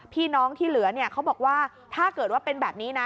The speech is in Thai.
พี่น้องที่เหลือเนี่ยเขาบอกว่าถ้าเกิดว่าเป็นแบบนี้นะ